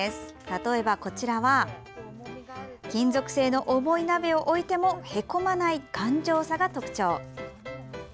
例えば、こちらは金属製の重い鍋を置いてもへこまない頑丈さが特徴。